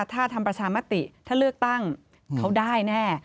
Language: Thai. ถ้าทำประชามติถ้าเลือกตั้งเขาได้แน่